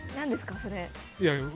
それ。